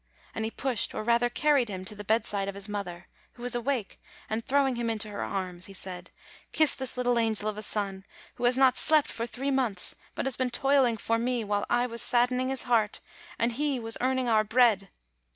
and he pushed or rather carried him to the bedside of his mother, k who was awake, and throwing him into her arms, he said : "Kiss this little angel of a son, who has not slept for three months, but has been toiling for me, while I was saddening his heart, and he was earn ing our bread!"